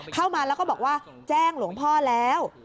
เข้ามาแล้วก็บอกว่าแจ้งหลวงพ่อแล้ว